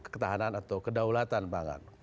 ketahanan atau kedaulatan pangan